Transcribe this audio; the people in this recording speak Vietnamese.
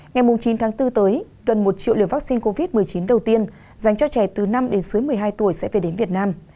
ngày chín tháng bốn tới gần một triệu liều vaccine covid một mươi chín đầu tiên dành cho trẻ từ năm đến dưới một mươi hai tuổi sẽ về đến việt nam